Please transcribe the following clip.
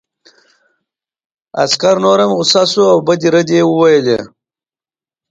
عسکر نور هم غوسه شو او بدې ردې یې وویلې